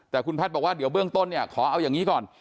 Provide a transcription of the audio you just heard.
แต่คุณแพทย์บอกว่าเดี๋ยวเบื้องต้นเนี่ยขอเอาอย่างนี้ก่อน